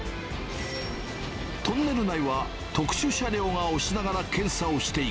トンネル内は特殊車両が押しながら、検査をしていく。